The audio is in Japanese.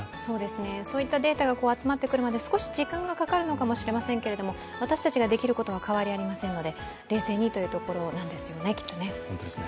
そういったデータが集まってくるまで、少し時間がかかるのかもしれませんが私たちができることは変わりありませんので、冷静にというところなんですよね、きっとね。